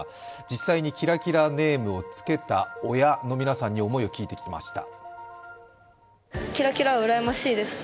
実際にキラキラネームをつけた親の皆さんに思いを聞いてきました。